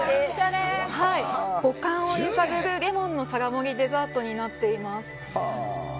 五感を揺さぶるレモンの皿盛りデザートになっています。